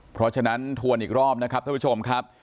เพราะฉะนั้นทวนอีกรอบนะครับท่านผู้ชมครับ